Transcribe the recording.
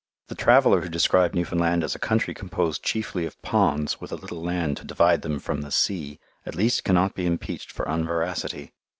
The traveller who described Newfoundland as a country composed chiefly of ponds with a little land to divide them from the sea, at least cannot be impeached for unveracity.